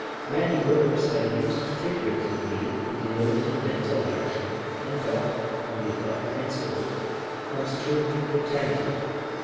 Many verbs are used figuratively in denoting mental action, and are, on the above principle, con strued with the genitive.